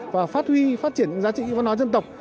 và phát huy phát triển những giá trị văn hóa dân tộc